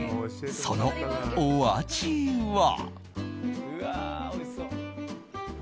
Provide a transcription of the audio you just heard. そのお味は。